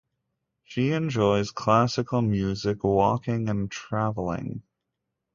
She enjoys classical music, walking and travelling.